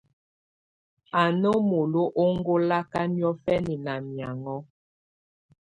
Á ná molo ɔŋgɔlaka niɔ̀fɛna ná miaŋɔ́.